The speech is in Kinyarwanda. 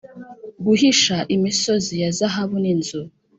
guhisha imisozi ya zahabu n'inzu